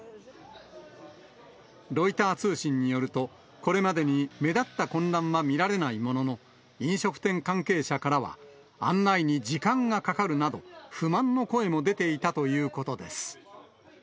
ロイター通信によると、これまでに目立った混乱は見られないものの、飲食店関係者からは、案内に時間がかかるなど、不満の声も出ていたということです。